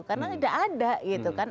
karena tidak ada gitu kan